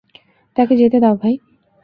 তাকে যেতে দাও, ভাই।